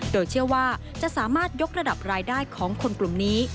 โดยเชื่อว่าจะสามารถยกระดับรายได้ของคนกลุ่มนี้